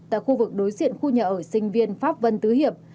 tại khu vực đối diện khu nhà ở sinh viên pháp vân tứ hiệp